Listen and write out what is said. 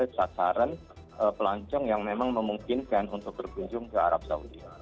sasaran pelancong yang memang memungkinkan untuk berkunjung ke arab saudi